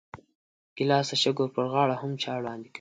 ګیلاس د شګو پر غاړه هم چای وړاندې کوي.